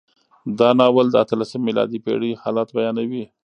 دا ناول د اتلسمې میلادي پېړۍ حالات بیانوي.